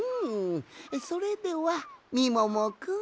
それではみももくん。